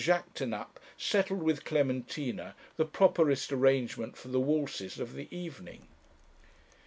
Jaquêtanàpe settled with Clementina the properest arrangement for the waltzes of the evening.